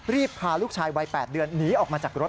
พาลูกชายวัย๘เดือนหนีออกมาจากรถ